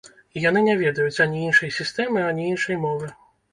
І яны не ведаюць ані іншай сістэмы, ані іншай мовы.